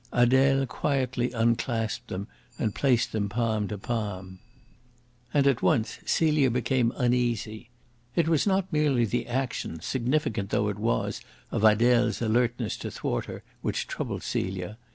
Adele quietly unclasped them and placed them palm to palm. And at once Celia became uneasy. It was not merely the action, significant though it was of Adele's alertness to thwart her, which troubled Celia.